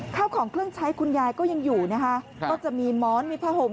ข้าวของเครื่องใช้คุณยายก็ยังอยู่นะคะก็จะมีม้อนมีผ้าห่ม